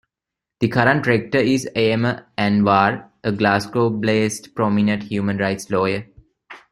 The current Rector is Aamer Anwar, a Glasgow-based, prominent human rights lawyer.